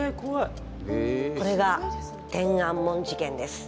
これが天安門事件です。